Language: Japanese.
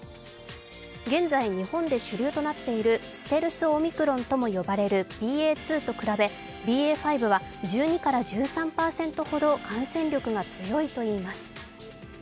現在日本で主流となっているステルスオミクロンとも呼ばれるＢＡ．２と比べＢＡ．５は１２から１３％ほど感染力が強いといいます。